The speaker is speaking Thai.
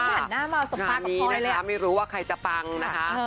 เชลลี่หันหน้ามาสบายกับพ่อยแล้วอันนี้นะคะไม่รู้ว่าใครจะปังนะคะ